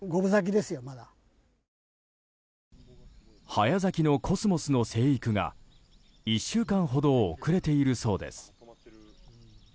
早咲きのコスモスの生育が１週間ほど遅れているそうです。